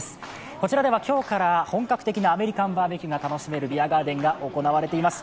こちらでは今日から本格的なアメリカンバーベキューが楽しめるビアガーデンが行われています。